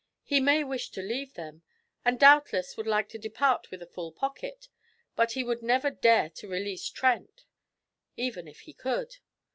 He may wish to leave them, and doubtless would like to depart with a full pocket; but he would never dare to release Trent, even if he could.